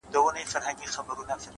هغه دي مړه سي زموږ نه دي په كار،